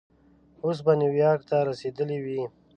اوس به نیویارک ته رسېدلی وې.